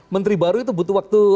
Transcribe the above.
menteri baru itu butuh waktu